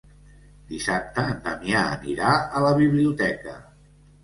Dissabte en Damià anirà a la biblioteca.